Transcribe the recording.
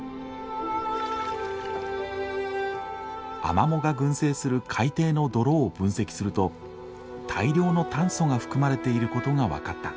アマモが群生する海底の泥を分析すると大量の炭素が含まれていることが分かった。